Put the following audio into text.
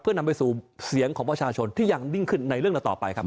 เพื่อนำไปสู่เสียงของประชาชนที่ยังนิ่งขึ้นในเรื่องต่อไปครับ